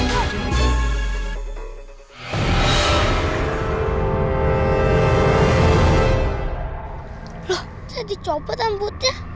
loh saya dicoba rambutnya